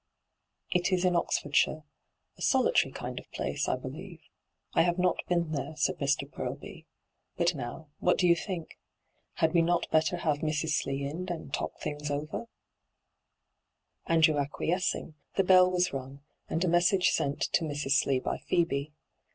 ' It is in Oxfordshire — a solitary kind of place, I believe. I have not been there,' said Mr. Purlby. * But now, what do you think ? Had we not better have Mrs. Slee in and talk things over V Andrew acquiescing, the bell was rung, and a mess^e sent to Mrs. Slee by Phcebe.